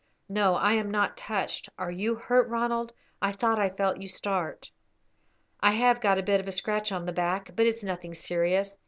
"No, I am not touched. Are you hurt, Ronald? I thought I felt you start." "I have got a bit of a scratch on the back, but it's nothing serious.